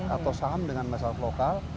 atau saham dengan masyarakat lokal